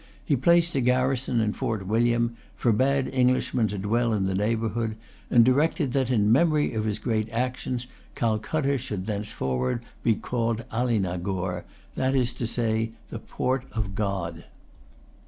He placed a garrison in Fort William, forbade Englishmen to dwell in the neighbourhood, and directed that, in memory of his great actions, Calcutta should thenceforward be called Alinagore, that is to say, the Port of God.